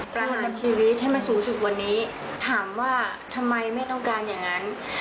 ประหารชีวิตให้มันสูงสุดวันนี้ถามว่าทำไมไม่ต้องการอย่างนั้น